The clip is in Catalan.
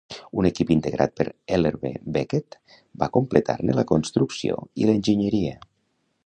Un equip integrat per Ellerbe Becket va completar-ne la construcció i l'enginyeria.